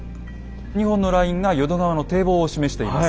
２本のラインが淀川の堤防を示しています。